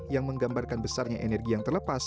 yang menggambarkan besarnya energi yang terlepas